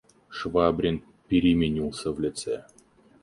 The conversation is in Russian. Швабрин переменился в лице.